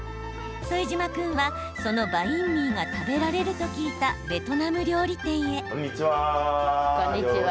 副島君は、そのバインミーが食べられると聞いたベトナム料理店へ。